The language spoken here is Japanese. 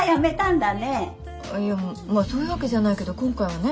いやそういうわけじゃないけど今回はね。